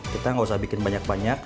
kita nggak usah bikin banyak banyak